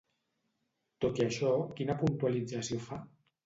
Tot i això, quina puntualització fa?